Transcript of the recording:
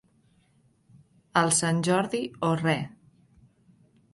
El Sant Jordi o re.